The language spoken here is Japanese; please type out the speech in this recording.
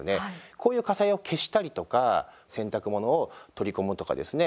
こういう火災を消したりとか洗濯物を取り込むとかですね